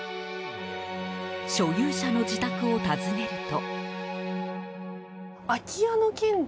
所有者の自宅を訪ねると。